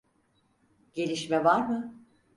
Gelişme var mı?